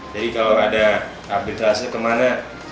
jadi kalau ada arbitrasi kemana